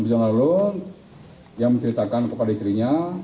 menjual lalu lalu dia menceritakan kepada istrinya